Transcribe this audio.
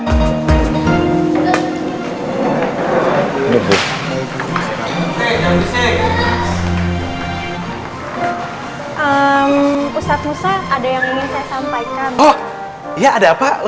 ustadz musa'i mulla dan santun